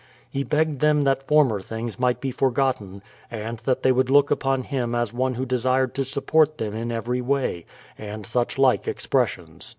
He begged them that former things might be forgotten, and that they would look upon him as one who desired to support them in every way, — and such like expressions.